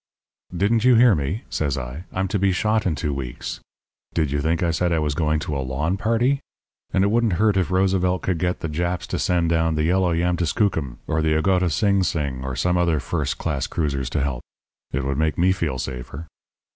"'Didn't you hear me?' says I; 'I'm to be shot in two weeks. Did you think I said I was going to a lawn party? And it wouldn't hurt of Roosevelt could get the Japs to send down the Yellowyamtiskookum or the Ogotosingsing or some other first class cruisers to help. It would make me feel safer.'